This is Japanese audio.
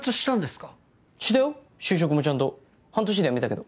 就職もちゃんと半年で辞めたけど。